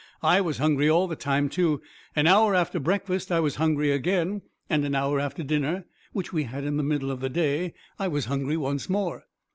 "I was hungry all the time, too. An hour after breakfast I was hungry again, and an hour after dinner, which we had in the middle of the day, I was hungry once more."